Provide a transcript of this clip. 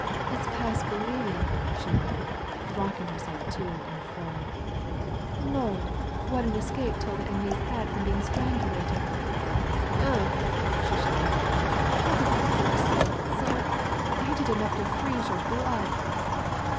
" It's past believing," she moaned, rocking herself to and fro. Lord I what an escape 'Tilda and me's had from being strangulated. Ugh 1 " she shuddered, look at that poor soul, sir, ain't it enough to freeze your blood."